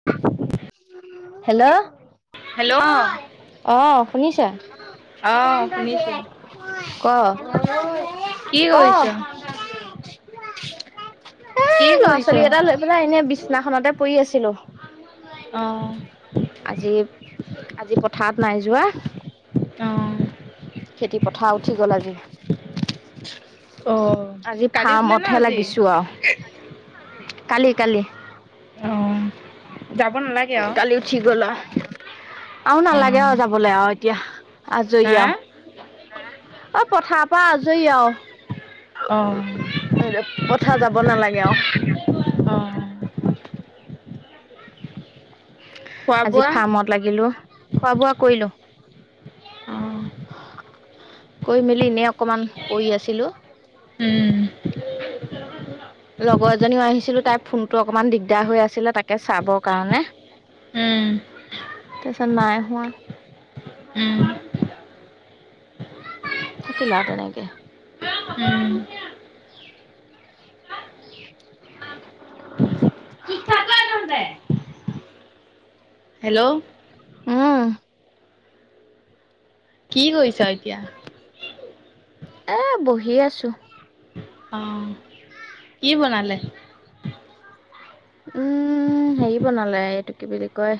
[unintelligible] Hello hello মই অ শুনিছে অ শুনিছো ক ক। [unintelligible] কি কৰিছ কি সেই ল'ৰা কৰিছ ছোৱালী কেইটা লৈ পেলাই এনেই বিছনাখনতে পৰি আছিলো। অ'। আজি আজি পথাৰত নাই যোৱা। অ'। খেতি পথাৰ উঠি গ'ল আজি। অ'। আজি কালি উঠিলে ন ফাৰ্মতহে আজি লাগিছো আও কালি কালি অ যাব নালাগে উ আৰু কালি উঠি গ'ল আউ আৰু‌ অ নেলাগে যাবলে আও এতিয়া, আজৰি হা আউ। হা অ পথাৰ পৰা আজৰি আও অ এ পথাৰ যাব নালাগে আও অ খোৱা আজি বোৱা ফাৰ্মত লাগিলো খোৱা বোৱা কৰিলো। অহ কৰি মেলি এনেই অকণমান পৰি আছিলো উম। লগৰ এজনীও আহিছিলো তাইৰ ফোনটো অকনমান দিগদাৰ হৈ আছিলে তাকে চাবৰ কাৰণে। উম। তাৰপাছত নাই হোৱা। উম। থাকিল আউ তেনেকে। উম হেল্ল'। অ কি কৰিছ এতিয়া? এ, বহি আছোঁ। অহ। কি বনালে? উম। হেৰি বনালে, এইটো কি বুলি কয়?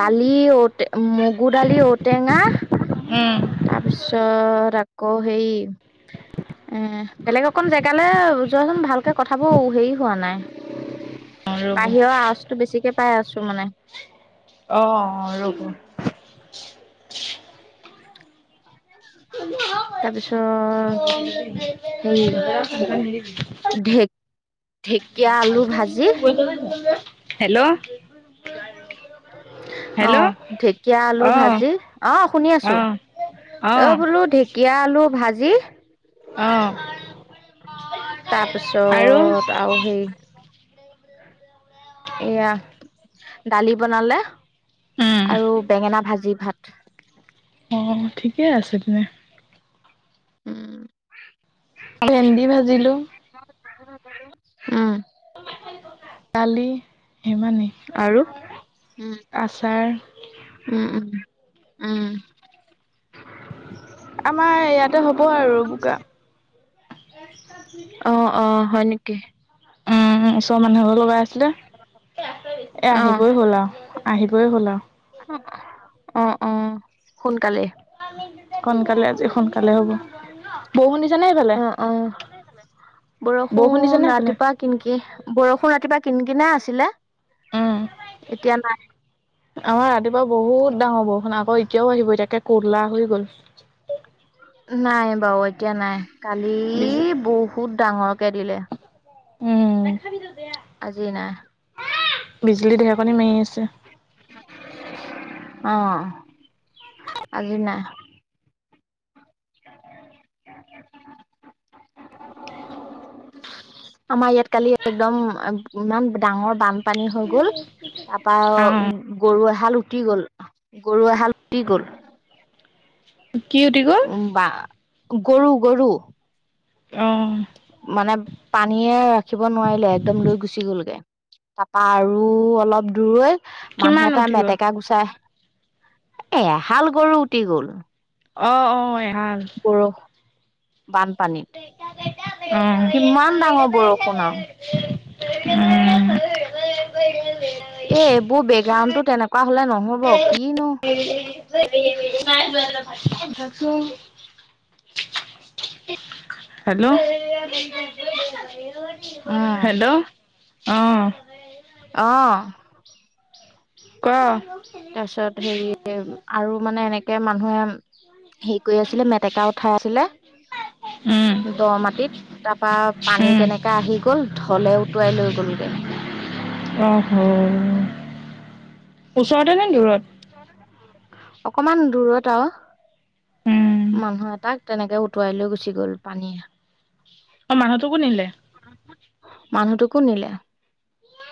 দালি, ঔট মগু দালি, ঔটেঙা উম। তাৰপিছত, আকৌ হেৰি এহ, বেলেগ অকণ জেগালে যোৱাচোন, ভালকে কথাবোৰ হেৰি হোৱা নাই। অ ৰ'ব বাহিৰৰ আৱাজটো বেছিকে পাই আছো মানে। অ' অ' ৰ'ব। তাৰপিছত, হেৰি ঢেক, ঢেঁকীয়া আলু ভাজি [unintelligible] হেল্ল' অ'হ। হেল্ল' ঢেঁকীয়া আলু অ ভাজি, অ' শুনি আছো অ', অ' বোলো, ঢেঁকীয়া আলু ভাজি অ', আৰু তাৰপিছত, আৰু হেৰি এয়া, দালি বনালে। উম। আৰু বেঙেনা ভাজি ভাত। অ'হ। ঠিকে আছে, তেনে উম। ভেন্দি ভাজিলো। উম। দালি হিমানেই। আৰু আচাৰ উম। উম। আমাৰ ইয়াতে হ'ব আৰু বোকা। অহ। হয় নেকি? উম। ওচৰৰ মানুহ এঘৰেও লগাই আছিলে। এ, অ আহিবই হ'ল আও। আহিবই হ'ল আও। অ অ সোনকালে সোনকালে আজি, সোনকালে হ'ব। বৰষুণ দিছে নে হেইফলে? অ অ বৰষুণ, ৰাতিপুৱা কিনকি, বৰষুণ ৰাতিপুৱা কিনকিনাই আছিলে। উম, এতিয়া নাই। আমাৰ ৰাতিপুৱা বহুত ডাঙৰ বৰষুণ। আকৌ এতিয়াও আহিব এতিয়া, একে ক'লা হৈ গ'ল। নাই বাৰু। এতিয়া নাই। কালি বিজ বহুত ডাঙৰকে দিলে। উম। আজি নাই। বিজুলী, ঢেৰেকণি মাৰি আছে। অহ। আজি নাই। আমাৰ ইয়াত কালি একদম, এম ইমান ডাঙৰ বানপানী হৈ গ'ল। তাৰপা আও অ', গৰু এহাল উটি গ'ল। গৰু এহাল উটি গ'ল। কি উটি গ'ল? বাহ। গৰু -গৰু অহ। মানে পানীয়ে ৰাখিব নোৱাৰিলে। একদম লৈ গুচি গ'লগে। তাৰপৰা আৰু অলপ দূৰৈ- মানুহ কিমান এটা উটি গ'ল? মেটেকা গুচাই, এ এহাল গৰু উটি গ'ল? অঁ, অঁ এহাল। বৰষ, বানপানীত, কিমান ডাঙৰ বৰষুণ আৰু। উম। এ, এইবোৰ বেকগ্ৰাউণ্ডটো তেনেকুৱা হ'লে নহব, কিনো- [unintelligible] [inaudible] হেল্ল', উম হেল্ল', অঁ। অঁ। ক। তাৰ পিছত হেৰি আৰু মানে এনেকে মানুহে- হেৰি কৰি আছিলে মেটেকা উঠাই আছিলে উম, দ মাটিত তা- তাপা পানী উম, এনেকে আহি গ'ল, ঢলে উটুৱাই লৈ গ'লগে। আহ হ। ওচৰতে নে দূৰত? অকমান দূৰত আৰু। উম, মানুহ এটাক- তেনেকে উটুৱাই লৈ গুচি গ'ল পানীয়ে। অঁ, মানুহটোকো নিলে। মানুহটোকো নিলে।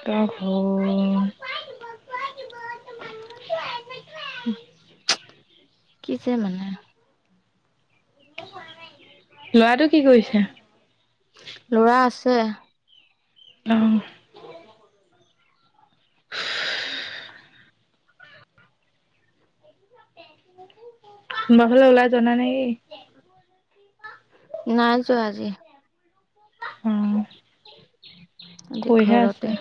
ত' হল। কি যে মানে। লৰাটো কি কৰিছে? ল'ৰা আছে। অঁ। কোনোবা ফালে ওলাই যোৱা নাই নে কি? নাই যোৱা আজি। উম। আজি আছে। ঘৰতে।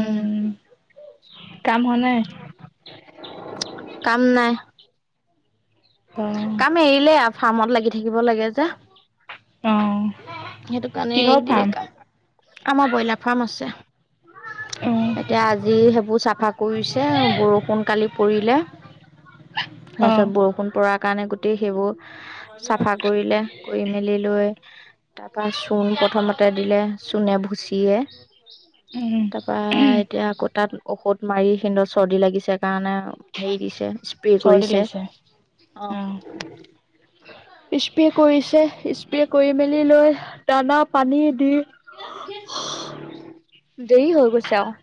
উম, কাম হোৱা নাই? কাম নাই। অঁ। কাম এৰিলে আ, ফাৰ্মত লাগি থাকিব লাগে যে। অ‌ঁ। সেইটো কাৰণে এৰি দিলে কাম, আমাৰ ব্ৰইলাৰ ফাৰ্ম আছে। অ এতিয়া আজি সেইবোৰ চাফা কৰিছে, বৰষুণ কালি- পৰিলে, অ তাৰপিছত বৰষুণ পৰাৰ কাৰণে গোটেই সেইবোৰ- চাফা কৰিলে, কৰি মেলি লৈ- তাৰপা চূণ প্ৰথমতে দিলে চূণে, ভুচিয়ে। উম তাৰপা এতিয়া আকৌ তাত ঔষধ মাৰি সিহঁতৰ চৰ্দি লাগিছে কাৰণে- হেৰি দিছে স্প্ৰে চৰ্দি কৰিছে, লাগিছে অ অঁ। স্প্ৰে কৰিছে, স্প্ৰে কৰি মেলি লৈ দানা, পানী দি- [unintelligible] দেৰি হৈ গৈছে আৰু।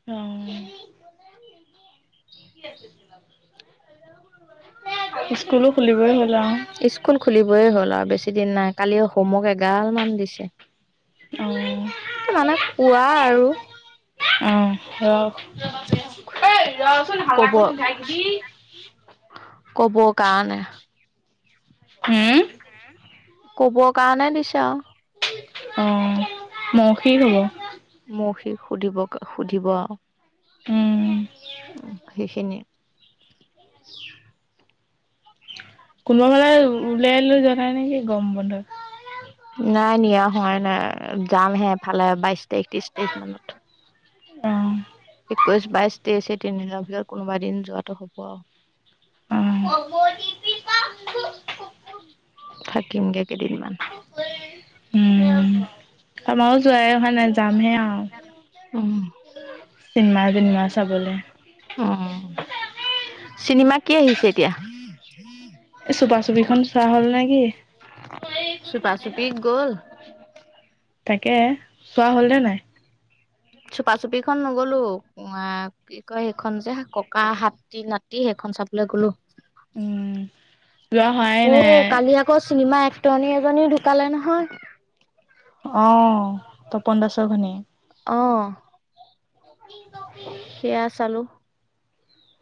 অঁ। স্কুলো খুলিবই হ'ল আৰু স্কুল খুলিবই হ'ল আৰু বেছি দিন নাই কালি হোমৰ্ক এগাল মান দিছে। অ', মানে কোৱা আৰু অ ৰ এ ৰচোন হালা কৰি নাথাকিবি। কব কাৰণে উম' ক'ব কাৰণে দিছে আৰু। অ মখৌক হ'ব। মৌসিক সুধিব সুধিব আৰু উম। সেইখিনিয়ে। উ [inaudible] কোনোবা ফালে উলিয়াই লৈ যোৱা নাই নেকি গৰম, বন্ধত। নাই নিয়া হোৱাই নাই যাম হে এফালে বাইছ একত্ৰিশ তাৰিখ মানত একৈশ বাইশ তেইচ এই তিনিদিনৰ ভিতৰত কোনোবা এদিন যোৱাটো হ'ব। উম। থাকিমগে কেইদিনমান উম আমাৰো যোৱাই অহা নাই। যামহে আৰু উম', চিনেমা- চনিমা চাবলে উ চিনেমা কি আহিছে এতিয়া চুপা চুপিখন চোৱা হ'ল নেকি? - চুপা চুপি গ'ল তাকে চোৱা হ'ল নে নাই। চুপা চুপিখন নগ'লো তোমাক- কি কয় সেইখন যে ককা, হাতী, নাতি, সেইখন চাবলৈ গলো উম, যোৱা হোৱাই নাই। ঐ', কালি আ আকৌ চিনেমা এক্টনী, এজনী ঢকালে নহয়। অ', তপন দাসৰ, ঘনিযেক- অ', কিং সেয়া চালো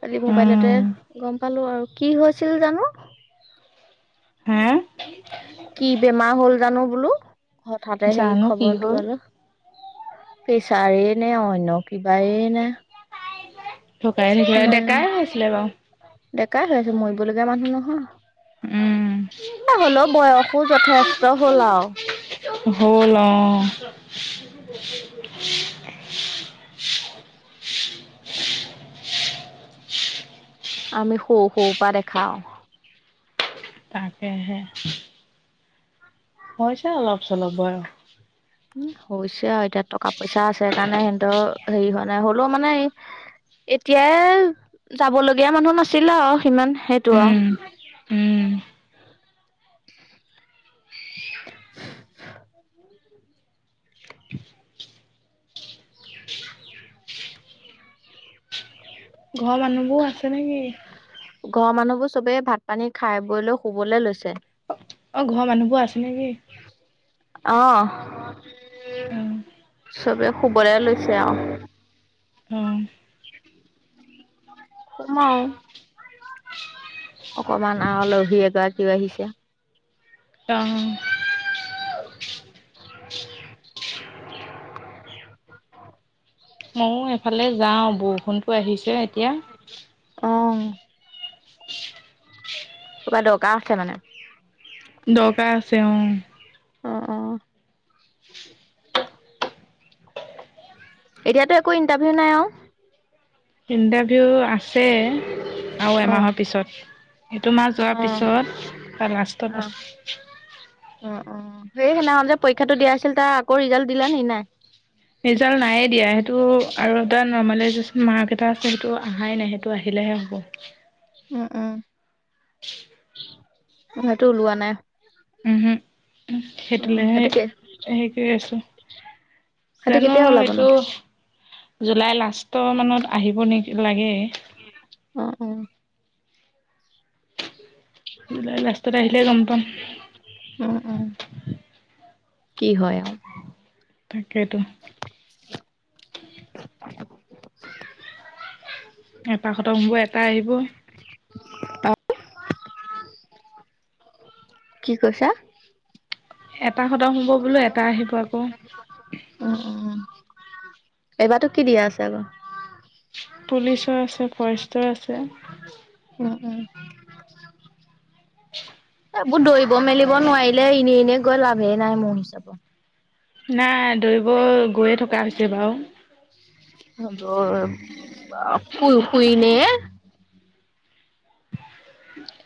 কালি মোবাইলতে উম, গম পালো আৰু কি হৈছিল জানো। হে কি বেমাৰ হ'ল জানো বোলো হঠাতে সেই জানো কি খবৰটো হ'ল। বালো। পছাৰ নে অন্যয় কিবাই নে ঢোকাই থাকিলে ডেকাই নাজানো হৈ আছিলে বাৰু ডেকাই হৈ আছিলে মৰিবলগীয়া মানুহ নহয়। উম', হলেও বয়সো যথেষ্ট হল আৰু হ'ল অ [unintelligible] আমি সৰু- সৰু পৰা দেখাওঁ। তাকেহে হৈছে অলপ- চলপ বয়ক উ হৈছে আৰু এতিয়া টকা- পইচা আছে। সেইকাৰণে সিহতৰ হেৰি হয়োৱা নাই হ'লেও মানে এই এতিয়াই যাব লগীয়া মানুহ নাছিলে আও সিমান সেইটো আও উম, উম। ঘ মানুবো আছে নে কি? ঘ মানুবো চবে ভাত পানী খাই বই লৈ শুবলে লৈছে। অ', ঘ মানুবো আছে নে কি? অ', [unintelligible] অ', চবে শুবলে লৈছে আও। উম। শুম আও। অকমান আ আলহী এগৰাকীও আহিছে। [unintelligible] ময়ো এফালে যাওঁ বৰষুণটো আহিছে এতিয়া অ'। কিবা দকাৰ আছে মানে? দকাৰ আছে অ'। অ', অ', এতিয়াতো একো ইণ্টাভিউ নাই আও? ইণ্টাভিউ আছে আও অ এমাহ' পিছত। এইটো মাহ যোৱাৰ অ পিছত তাৰ অ লাষ্টত আছ অ', অ', সেই সেদনাখন যে পৰীক্ষাটো দিয়া আছিল তা আকৌ ৰিজাল্ট দিলে নি নাই? ৰিজাল নায়ে দিয়া সেটো আৰু এটা নৰ্মালাইজেচন মাৰ্ক এটা আছে সেটো আহাই নাই সেট টো আহিলেহে হ'ব। উম উম, সেইটো ওলোৱা নাই। উমহু অ সেটো লেহে সেইটো কে হেই কই আছোঁ। সেইটো জানো কেতিয়া এইটো ওলাবনো জুলাই লাষ্ট মানত আহিব নেকি লাগে। [unintelligible] অ', অ'। জুলাই লাস্তত আহিলে গম পাম। উম উম। কি হয় আও তাকেতো। [inaudible] এটা খতম হ'ব এটা আহিব। কি কৈছা? এটা খতম হ'ব বোলো এটা আহিব আকৌ। এইবাটো কি দিয়া আছে আকৌ? পুলিচৰ আছে, ফৰেষ্টৰ আছে। অ', অ'। [unintelligible] এইবো দৌৰিব মেলিব নোৱাৰিলে ইনে ইনে গৈ লাভেই নাই মো হিচাপত। নাই দৌৰিব গৈয়ে থকা হৈছে বাও। হ'ব ৰব বা শুই শুই ইনে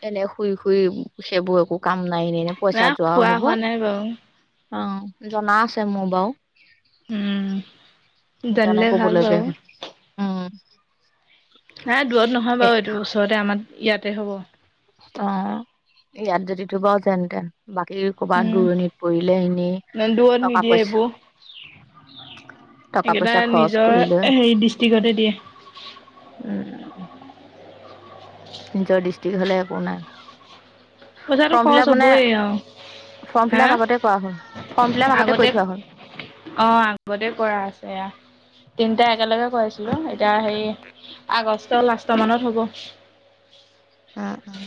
এনে শুই শুই [unintelligible] সেইবো একো কাম নাই এনে এনে পইচা নাই যোৱা খোৱা হ'ব। হোৱা নাই বাৰু অ', জনা আছে মো বাও। উম সেকাণে জানিলে ক'ব ভাল লগা বাৰু হয় উম। হ দূৰত নহয় বাৰু এইটো ওচৰতে আমাৰ ইয়াতে হ'ব। অ ইয়াত যদি টো বাও যেনতেন। বাকী ক'ৰবাত উম দূৰণিত পৰিলে এনেই দূৰত টকা নিদিয়ে পইচা। এইবোৰ টকা সেইকেইটা পইচা খৰচ নিজৰ কৰি লৈ হেৰি ডিষ্ট্ৰিক্টতে দিয়ে। উম। নিজৰ ডিষ্ট্ৰিক্ট হ'লে একো নাই। [unintelligible] পইচাটো ফৰ্ম খৰচ ফিলাপ মানে হ'বই আৰু ফৰ্ম হা ফিলাপ আগতে কৰা হ'ল। ফৰ্ম ফিলপ আগতে কৰি থোৱা হ'ল। অ আগতে কৰা আছে এয়া। তিনিটা একেলগে কৰিছিলোঁ এতিয়া সেই আগষ্টৰ লাষ্টৰ মানত হ'ব। উম উম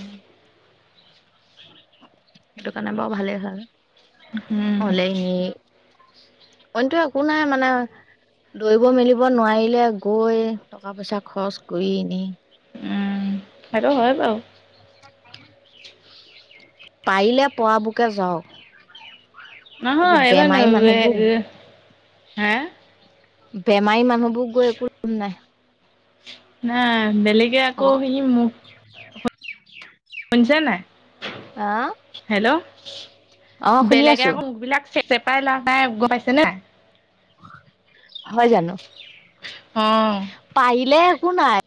সেইটো কাৰণে বাৰু ভালেই হয়। উম হলেই নি অইনতো একো নাই মানে দৌৰিব মেলিব নোৱাৰিলে গৈ টকা পইচা খৰচ কৰি এনেই উম সেইটো হয় বাৰু। পাৰিলে পোৱা বোকে যাওক। এইবোৰ নহয় এইবাৰ বেমাৰী মানুহবোৰ [unintelligible] হা? বেমাৰী মানুহবোৰ গৈ একো কাম নাই। না বেলেগে আকৌ অ আহি মোক। [unintelligible] শুনিছে নাই হেল্ল'? অ শুনি বেলেগে আছো আকৌ মোখ বিলাক চে চেপাই লাভ নাই গম পাইছে নে নাই? হয় জানো? অ পাৰিলে একো নাই।